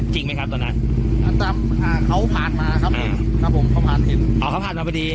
จริงไหมครับตอนนั้นอ่าเขาผ่านมาครับผมครับผมเขาผ่านเสร็จอ๋อเขาผ่านมาพอดี